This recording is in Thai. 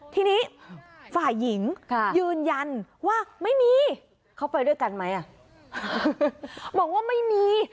ทีนี้ฝ่ายหญิงยืนยันว่าไม่มีเขาไปด้วยกันไหมบอกว่าไม่มี